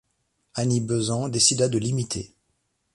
Annie Besant décida de l'imiter.